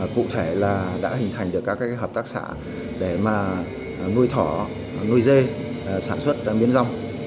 cụ thể là đã hình thành được các hợp tác xã để mà nuôi thỏ nuôi dê sản xuất miến rong